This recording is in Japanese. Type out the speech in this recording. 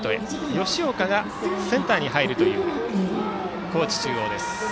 吉岡がセンターに入るという高知中央です。